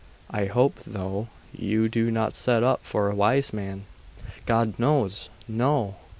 I hope, though, you do not set up for a wise man!' 'God knows no!